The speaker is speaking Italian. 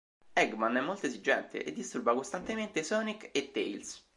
Eggman è molto esigente e disturba costantemente Sonic e Tails.